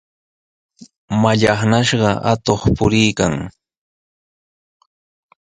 Mallaqnashqa atuq puriykan.